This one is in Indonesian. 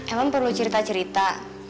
emang perlu cerita cerita